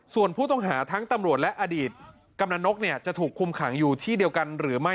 ส่วนผู้ต้องหาทั้งตำรวจและอดีตกำนันนกจะถูกคุมขังอยู่ที่เดียวกันหรือไม่